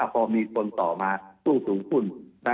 พอมีคนต่อมาสู้สูงขึ้น